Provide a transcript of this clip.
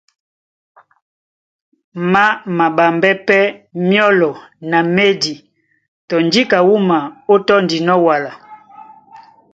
Má maɓambɛ́ pɛ́ myɔ́lɔ na médi tɔ njíka wúma ó tɔ́ndinɔ́ wala.